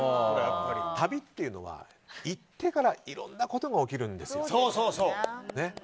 旅っていうのは行ってからいろんなことが起きるんですよ。